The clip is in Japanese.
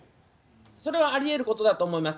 それはありえることだと思います。